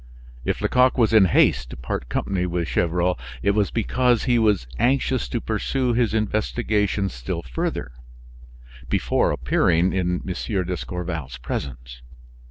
If Lecoq was in haste to part company with Gevrol, it was because he was anxious to pursue his investigations still further, before appearing in M. d'Escorval's presence.